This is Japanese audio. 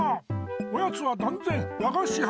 おやつはだんぜんだがしは。